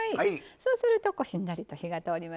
そうするとしんなりと火が通りますしね。